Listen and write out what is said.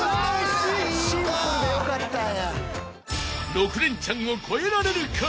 ［６レンチャンを超えられるか？］